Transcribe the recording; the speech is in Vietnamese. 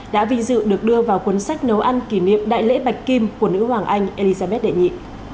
đã vinh dự được đưa vào cuốn sách nấu ăn kỷ niệm đại lễ bạch kim của nữ hoàng anh elizabeth đệ nhị